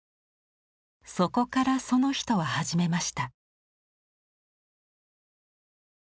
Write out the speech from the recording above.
そこからその人は始めました。